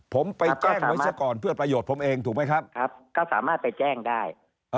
ผมไปแจ้งไว้เสียก่อนเพื่อประโยชน์ผมเองถูกไหมครับครับก็สามารถไปแจ้งได้